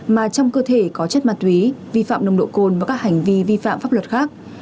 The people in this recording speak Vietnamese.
mà trong cơ thể có chất ma túy vi phạm nồng độ cồn và các hành vi vi phạm pháp luật khác